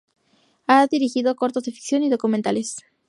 Ha dirigido cortos de ficción y documentales.